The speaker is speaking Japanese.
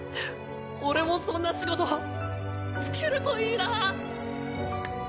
俺もそんな仕事就けるといいな。